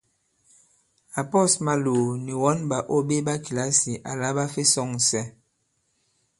Ǎ pɔ̌s Maloò nì wɔn ɓàô ɓe ɓa kìlasì àla ɓa fe sɔ̂ŋsɛ.